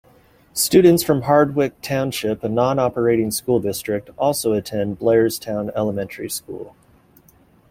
Students from Hardwick Township, a non-operating school district, also attend Blairstown Elementary School.